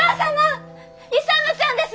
勇ちゃんです！